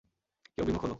কেউ বিমুখ হল।